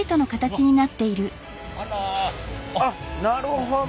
あっなるほど。